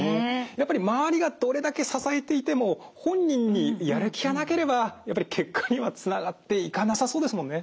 やっぱり周りがどれだけ支えていても本人にやる気がなければやっぱり結果にはつながっていかなさそうですもんね。